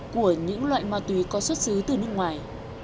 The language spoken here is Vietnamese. của những loại ma túy có xuất xứ từ nước ngoài